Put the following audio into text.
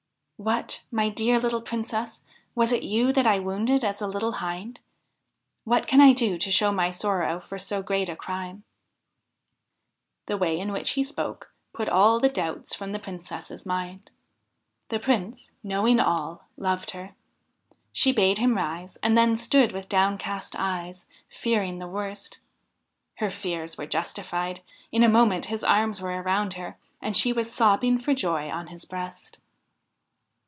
' What ! my dear little Princess, was it you that I wounded as a little Hind? What can I do to show my sorrow for so great a crime ?' The way in which he spoke put all the doubts from the Princess's mind. The Prince, knowing all, loved her. She bade him rise, and then stood with downcast eyes, fearing the worst. Her fears were justified : in a moment his arms were around her, and she was sobbing for joy on his breast.